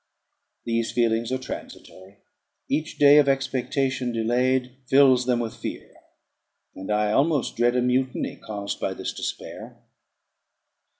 These feelings are transitory; each day of expectation delayed fills them with fear, and I almost dread a mutiny caused by this despair.